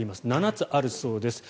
７つあるそうです。